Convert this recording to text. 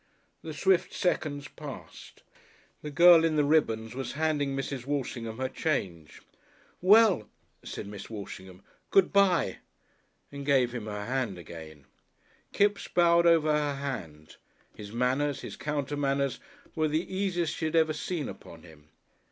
The swift seconds passed. The girl in the ribbons was handing Mrs. Walshingham her change. "Well," said Miss Walshingham, "Good bye," and gave him her hand again. Kipps bowed over her hand. His manners, his counter manners, were the easiest she had ever seen upon him.